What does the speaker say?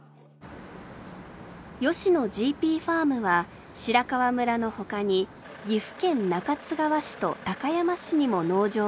吉野ジーピーファームは白川村の他に岐阜県中津川市と高山市にも農場があります。